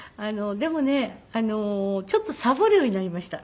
でもねちょっとサボるようになりました。